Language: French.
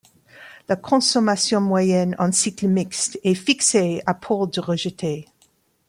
La consommation moyenne en cycle mixte est fixée à pour de rejeté.